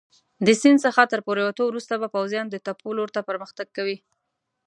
د سیند څخه تر پورېوتو وروسته به پوځیان د تپو لور ته پرمختګ کوي.